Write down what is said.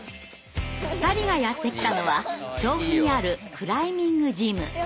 ２人がやって来たのは調布にあるクライミングジム。